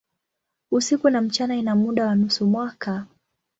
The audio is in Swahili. Usiku na mchana ina muda wa nusu mwaka.